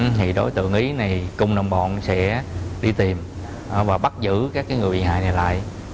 thì đối tượng ý này cùng đồng bọn sẽ đi tìm và bắt giữ các người bị hại này lại